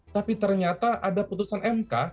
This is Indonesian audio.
tapi ternyata ada putusan mk